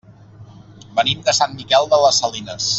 Venim de Sant Miquel de les Salines.